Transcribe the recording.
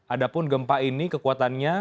adapun gempa ini kekuatannya